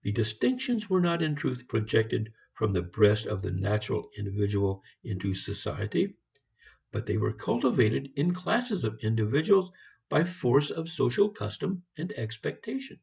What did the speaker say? The distinctions were not in truth projected from the breast of the natural individual into society, but they were cultivated in classes of individuals by force of social custom and expectation.